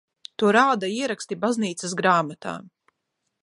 To rāda ieraksti baznīcas grāmatā.